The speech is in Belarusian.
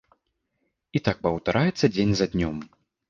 І так паўтараецца дзень за днём.